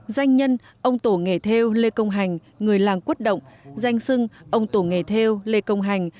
danh nhân ông tổ nghề theo lê công hành người làng quốc động danh sưng ông tổ nghề theo lê công hành